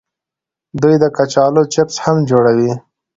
دوی د کچالو چپس هم جوړوي.